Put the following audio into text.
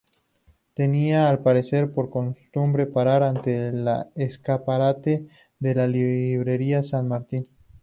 Tenía al parecer por costumbre parar ante el escaparate de la Librería San Martín.